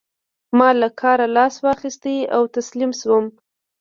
ما له کاره لاس واخيست او تسليم شوم.